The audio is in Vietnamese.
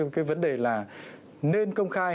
cái vấn đề là nên công khai